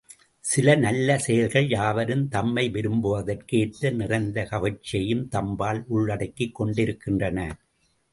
சில நல்ல செயல்கள் யாவரும் தம்மை விரும்புவதற்கு ஏற்ற நிறைந்த கவர்ச்சியையும் தம்பால் உள்ளடக்கிக் கொண்டிருக்கின்றன.